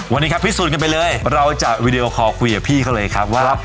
วันนี้ครับพิสูจนกันไปเลยเราจะวีดีโอคอลคุยกับพี่เขาเลยครับว่า